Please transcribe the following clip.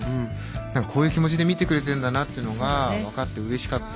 何かこういう気持ちで見てくれてるんだなっていうのが分かってうれしかった。